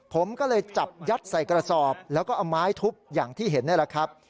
ผมก็เลยจับยัดใส่กระสอบแล้วก็เอาไม้ทุบอย่างที่เห็นนี่แหละครับ